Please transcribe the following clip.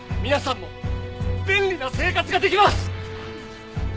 皆さんも便利な生活ができます！